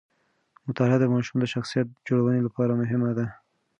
مطالعه د ماشوم د شخصیت جوړونې لپاره مهمه ده.